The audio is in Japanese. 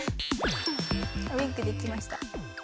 ウインクできました。